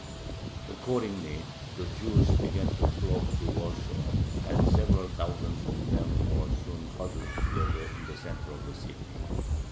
Accordingly the Jews began to flock to Warsaw, and several thousands of them were soon huddled together in the center of the city.